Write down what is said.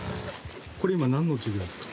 これ今なんの授業ですか？